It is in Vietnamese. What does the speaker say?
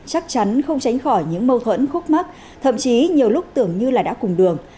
chắc chắn không tránh khỏi những mâu thuẫn khúc mắt thậm chí nhiều lúc tưởng như đã cùng đường